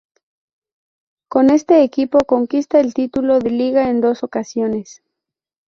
Con este equipo conquista el título de Liga en dos ocasiones.